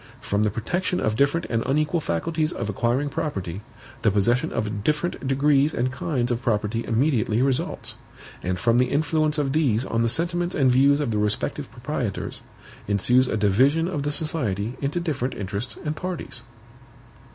From the protection of different and unequal faculties of acquiring property, the possession of different degrees and kinds of property immediately results; and from the influence of these on the sentiments and views of the respective proprietors, ensues a division of the society into different interests and parties.